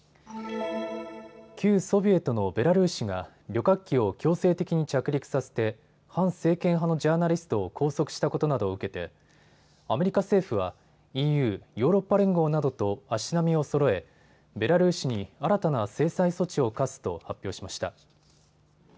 旧ソビエトのベラルーシが旅客機を強制的に着陸させて、反政権派のジャーナリストを拘束したことなどを受けてアメリカ政府は、ＥＵ・ヨーロッパ連合などと足並みをそろえ、ベラルーシに新たな制裁措置を科すと発表しました。